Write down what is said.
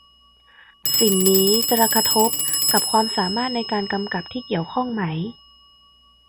สิ่งนี้จะกระทบกับความสามารถในการกำกับที่เกี่ยวข้องไหม